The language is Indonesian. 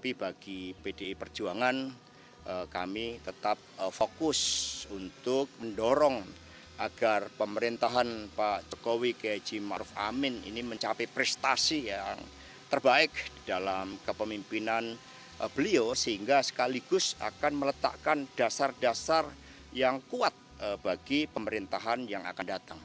pdi perjuangan kami tetap fokus untuk mendorong agar pemerintahan pak jokowi g maruf amin ini mencapai prestasi yang terbaik dalam kepemimpinan beliau sehingga sekaligus akan meletakkan dasar dasar yang kuat bagi pemerintahan yang akan datang